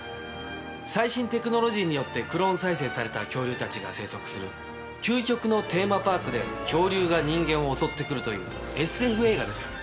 最新テクノロジーによってクローン再生された恐竜たちが生息する究極のテーマパークで恐竜が人間を襲って来るというＳＦ映画です。